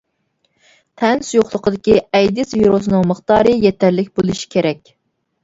تەن سۇيۇقلۇقىدىكى ئەيدىز ۋىرۇسىنىڭ مىقدارى يېتەرلىك بولۇشى كېرەك.